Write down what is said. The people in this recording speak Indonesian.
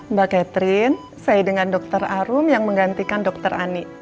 mbak catherine saya dengan dr arum yang menggantikan dokter ani